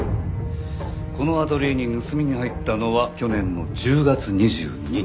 このアトリエに盗みに入ったのは去年の１０月２２日。